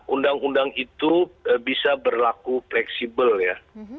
undang undang itu bisa berlaku fleksibel ya